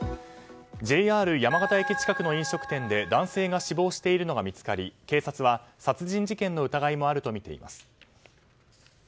ＪＲ山形駅近くの飲食店で男性が死亡しているのが見つかり警察は殺人事件の疑いもあるとみています。